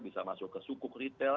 bisa masuk ke sukuk retail